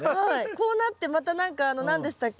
こうなってまた何かあの何でしたっけ？